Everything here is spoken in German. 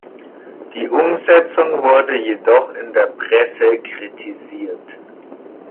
Die Umsetzung wurde jedoch in der Presse kritisiert.